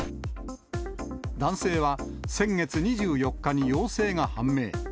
男性は、先月２４日に陽性が判明。